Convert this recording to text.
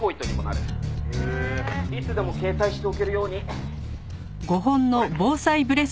「いつでも携帯しておけるようにこれ」